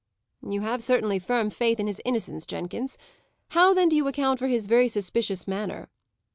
"You have certainly firm faith in his innocence, Jenkins. How then do you account for his very suspicious manner?"